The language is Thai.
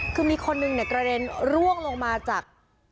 คือมีคนหนึ่งกระเด็นร่วงลงมาจาก